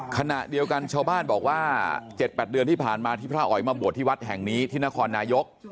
ขณะเดียวกันชาวบ้านบอกว่า๗๘เดือนที่ผ่านมาที่พระอ๋อยมาบวชที่วัดแห่งนี้ที่นครนายก